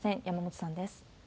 山本さんです。